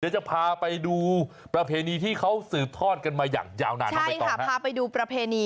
เดี๋ยวจะพาไปดูประเพณีที่เขาสืบทอดกันมาอย่างยาวนาน